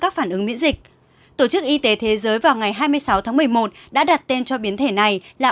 các phản ứng miễn dịch tổ chức y tế thế giới vào ngày hai mươi sáu tháng một mươi một đã đặt tên cho biến thể này là